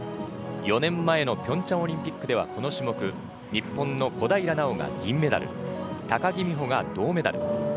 ４年前のピョンチャンオリンピックではこの種目日本の小平奈緒が銀メダル高木美帆が銅メダル。